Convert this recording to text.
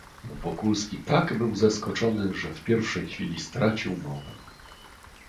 "Wokulski tak był zaskoczony, że w pierwszej chwili stracił mowę."